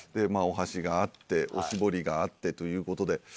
お箸があってお絞りがあってということで。